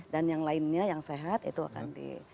yang lainnya yang sehat itu akan di